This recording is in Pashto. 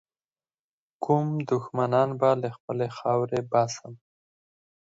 کوم دښمنان به له خپلي خاورې باسم.